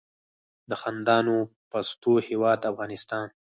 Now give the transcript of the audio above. د خندانو پستو هیواد افغانستان.